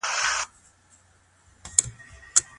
ميرمن د نکاح په خاطر خپله شيرينه کورنۍ پرې ايښې ده.